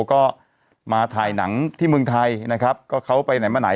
ก็มาถ่ายหนังที่เมืองไทยนะครับก็เขาไปไหนมาไหน